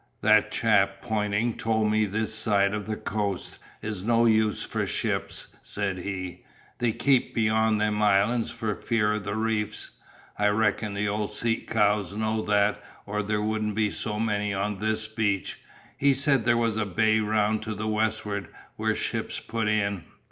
"That chap Ponting told me this side of the coast is no use for ships," said he. "They keep beyond them islands for fear of the reefs. I reckon the old sea cows know that or there wouldn't be so many on this beach. He said there was a bay round to the westward where ships put in."